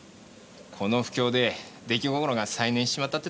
この不況で出来心が再燃しちまったってとこか？